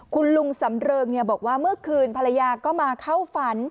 คุณลุงสำเริงบอกว่าเมื่อคืนภรรยาก็มาเข้าฝัน